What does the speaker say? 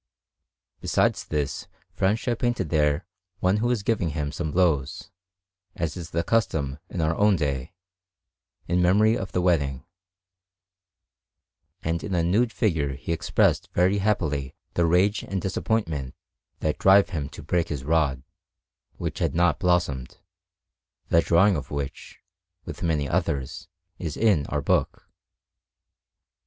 Besides this, Francia painted there one who is giving him some blows, as is the custom in our own day, in memory of the wedding; and in a nude figure he expressed very happily the rage and disappointment that drive him to break his rod, which had not blossomed, the drawing of which, with many others, is in our book.